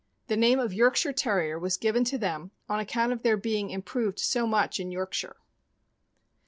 The name of Yorkshire Terrier was given to them on account of their being improved so much in Yorkshire."